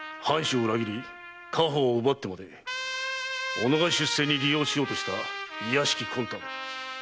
藩主を裏切り家宝を奪ってまで己が出世に利用しようとした卑しき魂胆。